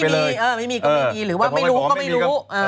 ไม่มีก็ไม่มีเออไม่มีก็ไม่มีหรือว่าไม่รู้ก็ไม่รู้